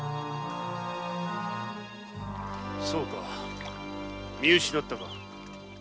そうか見失ったか。